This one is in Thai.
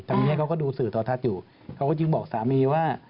ตอนนี้เขาก็ดูสื่อโทรทัศน์อยู่เขาก็จึงบอกสามีว่า